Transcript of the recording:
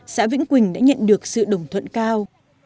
xã vĩnh quỳnh đã nhận được sự đồng thuận cao